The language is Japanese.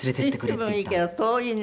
随分いいけど遠いね。